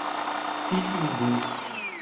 Pitimbu